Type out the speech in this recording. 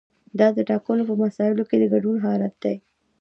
دا د ټاکنو په مسایلو کې د ګډون حالت دی.